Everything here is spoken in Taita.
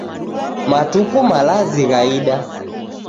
Matuku malazi ghaida